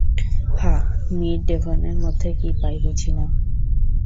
হাহ, মির ডেভনের মধ্যে কী পায়, বুঝি না।